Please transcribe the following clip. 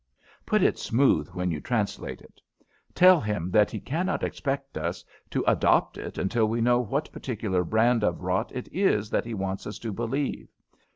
Put it smooth when you translate it. Tell him that he cannot expect us to adopt it until we know what particular brand of rot it is that he wants us to believe.